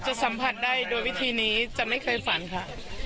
สัมผัสได้โดยวิธีนี้จะไม่เคยฝันค่ะ